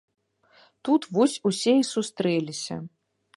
Тут вось усе і сустрэліся.